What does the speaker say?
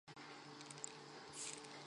北魏孝昌三年。